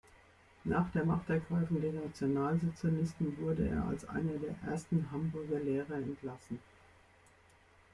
Nach der Machtergreifung der Nationalsozialisten wurde er als einer der ersten Hamburger Lehrer entlassen.